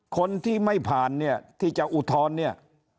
คนที่ไม่ผ่านเนี่ยที่จะอุทธรณ์เนี่ย